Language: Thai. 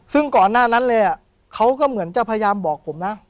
ซึ่งก่อนหน้านั้นเลยเขาก็เหมือนจะพยายามบอกผมนะ